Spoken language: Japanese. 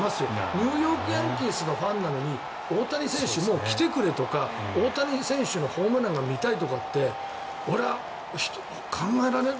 ニューヨーク・ヤンキースのファンなのに大谷選手、もう来てくれとか大谷選手のホームランが見たいとかって俺は考えられない。